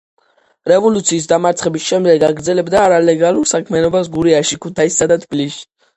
რევოლუციის დამარცხების შემდეგ აგრძელებდა არალეგალურ საქმიანობას გურიაში, ქუთაისსა და თბილისში.